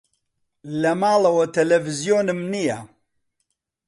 لە ماڵەوە تەلەڤیزیۆنم نییە.